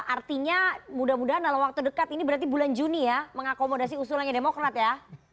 artinya mudah mudahan dalam waktu dekat ini berarti bulan juni ya mengakomodasi usulannya demokrat ya